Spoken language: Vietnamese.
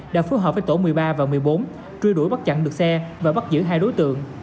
đã phối hợp với tổ một mươi ba và một mươi bốn truy đuổi bắt chặn được xe và bắt giữ hai đối tượng